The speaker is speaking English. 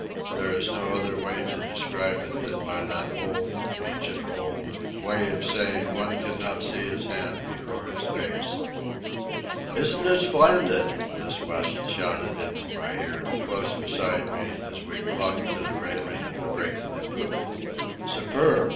There is no other way to describe it than by the old, ancient old, way of saying one could not see his hand before his face. "Isn't it splendid!" Miss West shouted into my ear, close beside me, as we clung to the railing of the break of the poop. "Superb!"